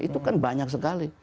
itu kan banyak sekali